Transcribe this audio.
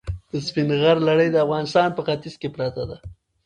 د سپین غر لړۍ د افغانستان په ختیځ کې پرته ده.